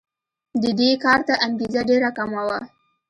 د دې کار ته انګېزه ډېره کمه وه.